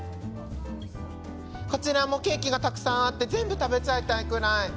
こちらもケーキがたくさんあって全部食べちゃいたいくらい！